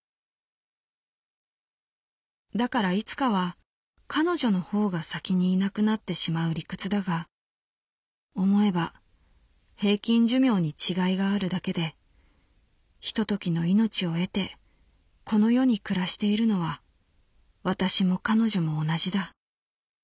だからいつかは彼女の方が先にいなくなってしまう理屈だが思えば平均寿命に違いがあるだけでひとときの命を得てこの世に暮らしているのは私も彼女も同じだ」。